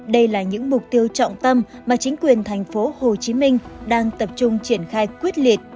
đây là những mục tiêu trọng tâm mà chính quyền tp hcm đang tập trung triển khai quyết liệt